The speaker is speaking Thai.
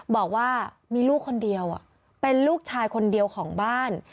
บอกว่ามีลูกคนเดียวเป็นลูกชายคนเดียวของบ้าน